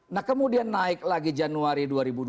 nah kemudian naik lagi januari dua ribu dua puluh